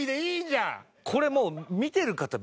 これもう。